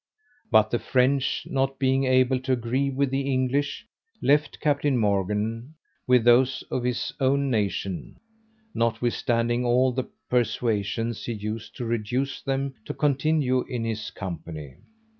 But the French not being able to agree with the English, left Captain Morgan with those of his own nation, notwithstanding all the persuasions he used to reduce them to continue in his company.